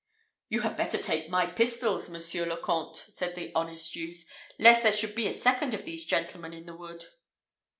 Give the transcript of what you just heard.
"You had better take my pistols, Monsieur le Comte," said the honest youth, "lest there should be a second of these gentlemen in the wood."